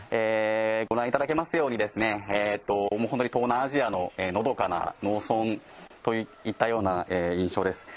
ご覧いただけますように、本当に東南アジアののどかな農村といったような印象です。